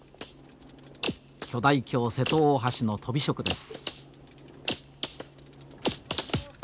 巨大橋瀬戸大橋のとび職です。